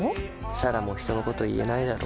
彩良も人のこと言えないだろ。